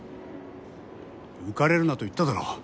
浮かれるなと言っただろ。